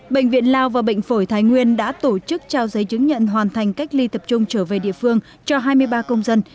bệnh viện lao và bệnh phổi thái nguyên đã tổ chức trao giấy chứng nhận hoàn thành cách ly tập trung trở về địa phương cho hai mươi ba công dân